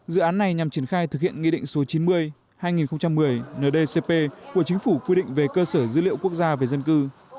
dự án này nhằm triển khai thực hiện nghị định số chín mươi hai nghìn một mươi ndcp của chính phủ quy định về cơ sở dữ liệu quốc gia về dân cư